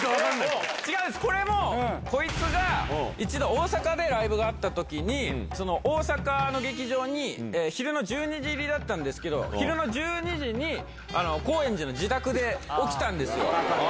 違うんです、これも、こいつが、一度、大阪でライブがあったときに、大阪の劇場に昼の１２時入りだったんですけど、昼の１２時に高円寺の自宅で起きたんですよ。